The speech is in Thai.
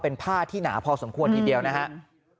เป็นผ้าที่หนาพอสมควรทีเดียวนะครับ